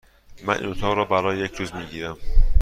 من این اتاق را برای یک روز می گیرم.